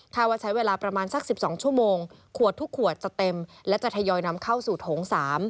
ถ้าว่าใช้เวลาประมาณสัก๑๒ชั่วโมงขวดทุกขวดจะเต็มและจะทยอยนำเข้าสู่โถง๓